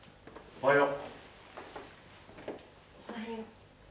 おはよう。